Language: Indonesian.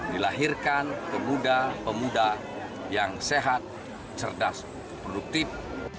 dilahirkan pemuda pemuda yang sehat cerdas produktif